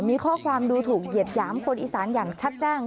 มีข้อความดูถูกเหยียดหยามคนอีสานอย่างชัดแจ้ง